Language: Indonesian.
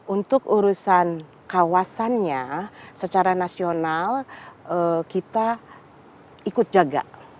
untuk urusan kawasannya secara nasional kita ikut jaga